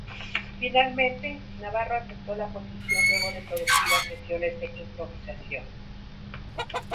Finalmente, Navarro aceptó la posición luego de productivas sesiones de improvisación.